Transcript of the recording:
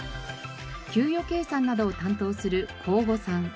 給与計算などを担当する向後さん。